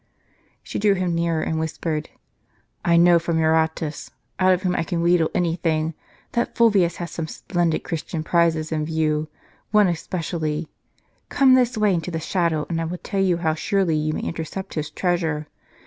She drew him nearer and whis pered : "I know from Eurotas, out of whom I can wheedle anything, that Fulvius has some splendid Christian prizes in view, one especially. Come this way into the shadow, and I will tell you how surely you may intercept his treasure.